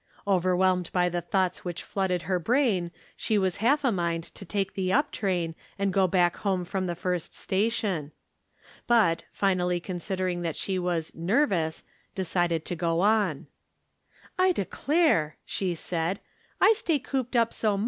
, Overwhelmed by the thoughts which flooded her brain, she was half a mind to take the up train and go back home from the first station. But, finally considering that she was " nervous," decided to go on. " I declare," she said, " I stay cooped up so 326 I'rom Different Standpoints.